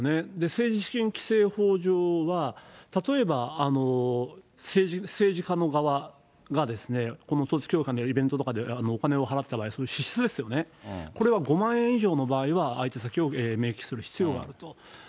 政治資金規正法上は、例えば政治家の側がこの統一教会のイベントとかでお金を払った場合、その支出ですよね、これは５万円以上の場合は相手先を明記する必要があると。